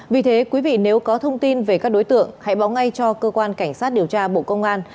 vì thế quý vị nếu có thông tin về các đối tượng hãy báo ngay cho cơ quan cảnh sát điều tra bộ công an